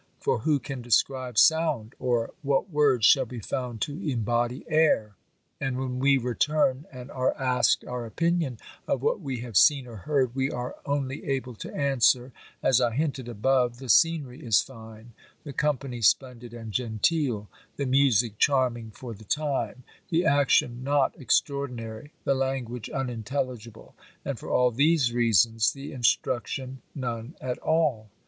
For who can describe sound! Or what words shall be found to embody air? And when we return, and are asked our opinion of what we have seen or heard, we are only able to answer, as I hinted above the scenery is fine, the company splendid and genteel, the music charming for the time, the action not extraordinary, the language unintelligible, and, for all these reasons the instruction none at all.